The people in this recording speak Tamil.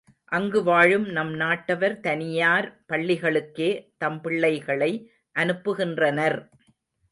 அங்கு வாழும் நம் நாட்டவர் தனியார் பள்ளிகளுக்கே தம் பிள்ளைகளை அனுப்புகின்றனர்.